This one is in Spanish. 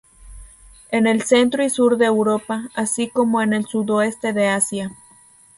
En el centro y sur de Europa, así como en el sudoeste de Asia.